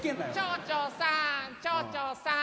「町長さん町長さん」